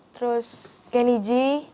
terus kenny g